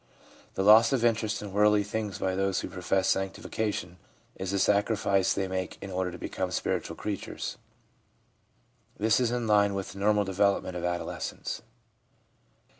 The loss of interest in worldly things by those who profess sanctification is the sacrifice they make in order to become spiritual creatures. This is in line with the normal development at adolescence.